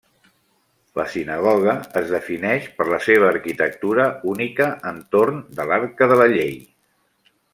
La sinagoga es defineix per la seva arquitectura única entorn de l'Arca de la llei.